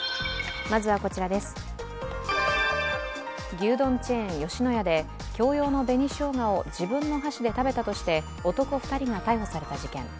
牛丼チェーン吉野家で共用の紅しょうがを自分の箸で食べたとして、男２人が逮捕された事件。